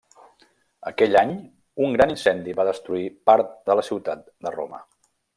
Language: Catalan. Aquell any, un gran incendi va destruir part de la ciutat de Roma.